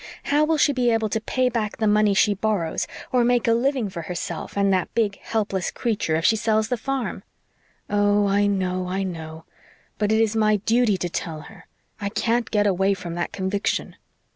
"How will she be able to pay back the money she borrows, or make a living for herself and that big helpless creature if she sells the farm?" "Oh, I know I know. But it is my duty to tell her. I can't get away from that conviction."